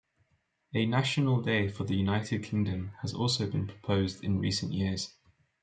A National Day for the United Kingdom has also been proposed in recent years.